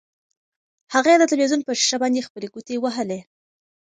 هغې د تلویزیون په شیشه باندې خپلې ګوتې وهلې.